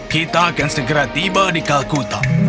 kita akan segera tiba di kalkuta